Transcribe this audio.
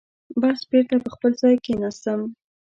بس بېرته پر خپل ځای کېناستم.